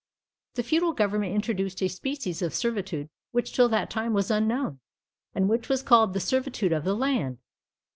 The feudal government introduced a species of servitude which till that time was unknown, and which was called the servitude of the land.